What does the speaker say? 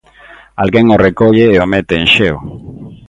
alguén o recolle e o mete en xeo.